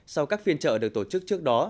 sau các phiên chợ được tổ chức trước đó